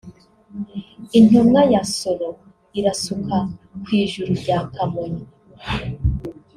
intumwa ya Nsoro irasuka ku Ijuru rya Kamonyi